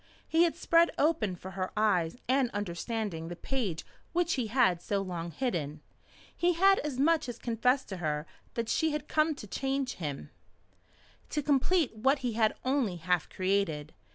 He had spread open for her eyes and understanding the page which he had so long hidden. He had as much as confessed to her that she had come to change him to complete what he had only half created.